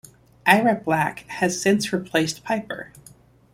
Ira Black has since replaced Piper.